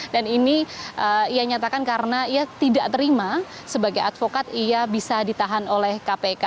dan ini ia nyatakan karena ia tidak terima sebagai advokat ia bisa ditahan oleh kpk